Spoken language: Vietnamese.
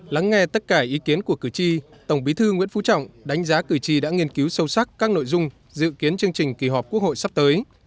lắng nghe tất cả ý kiến của cử tri tổng bí thư nguyễn phú trọng đánh giá cử tri đã nghiên cứu sâu sắc các nội dung dự kiến chương trình kỳ họp quốc hội sắp tới